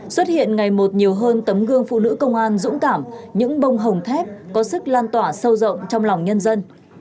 xuất hiện ngày một nhiều hơn tấm gương phụ nữ công an dũng cảm những bông hồng thép có sức lan tỏa sâu rộng trong lòng nhân dân